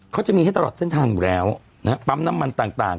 เขาจะมีให้ตลอดเส้นทางอยู่แล้วนะฮะปั๊มน้ำมันต่างต่าง